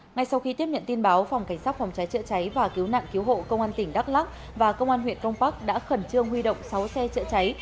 ngay sau khi tiếp nhận tin báo phòng cảnh sát phòng cháy chữa cháy và cứu nạn cứu hộ công an tỉnh đắk lắc và công an huyện crong park đã khẩn trương huy động sáu xe chữa cháy